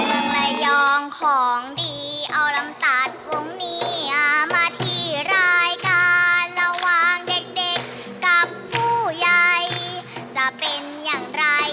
เอาบังลายยองของดีเอาลำตาลวงเนียมาที่รายการ